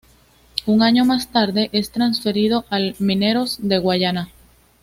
Un año más tarde es trasferido al Mineros de Guayana.